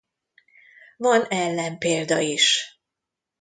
Van ellenpélda is.